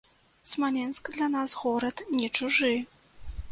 Смаленск для нас горад не чужы.